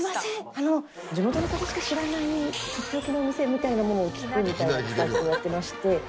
あの地元の方しか知らないとっておきのお店みたいなものを聞くみたいな企画をやってまして。